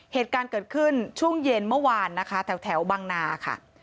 เหตุการณ์เกิดขึ้นช่วงเย็นเมื่อวานนะคะแถวบังนาค่ะ